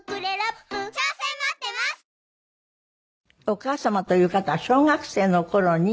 お母様という方は小学生の頃に。